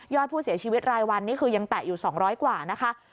ผู้เสียชีวิตรายวันนี้คือยังแตะอยู่๒๐๐กว่านะคะ